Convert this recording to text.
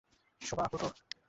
শোবা, ওঠ!